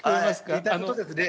言いたいことですね。